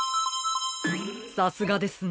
さすがですね。